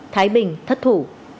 thái bình thất thủ